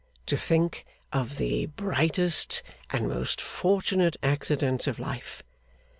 To think of the brightest and most fortunate accidents of life.